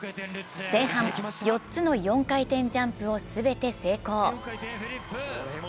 前半４つの４回転ジャンプを全て成功。